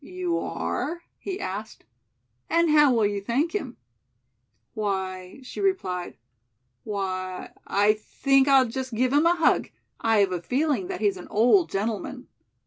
"You are?" he asked, "and how will you thank him?" "Why," she replied, "why, I think I'll just give him a hug. I have a feeling that he's an old gentleman."